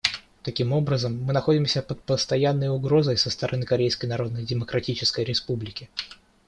Таким образом, мы находимся под постоянной угрозой со стороны Корейской Народно-Демократической Республики.